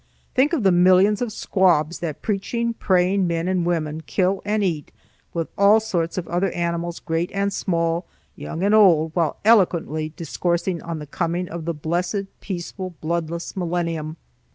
Think of the millions of squabs that preaching, praying men and women kill and eat, with all sorts of other animals great and small, young and old, while eloquently discoursing on the coming of the blessed peaceful, bloodless millennium!